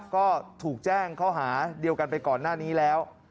ก็ถูกแจ้งข้อหาเดียวกันไปก่อนหน้านี้แล้ว